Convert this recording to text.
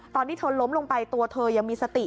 ตอนที่เธอล้มลงไปตัวเธอยังมีสติ